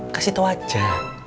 kasih tau aja